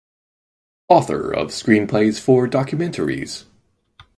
Author of screenplays for documentaries.